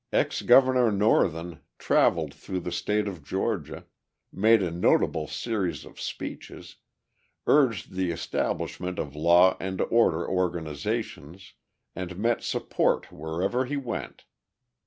Ex Governor Northen travelled through the state of Georgia, made a notable series of speeches, urged the establishment of law and order organisations, and met support wherever he went.